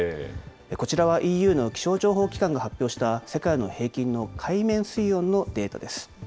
こちらはＥＵの気象情報機関が発表した、世界の平均の海面水温のデータです。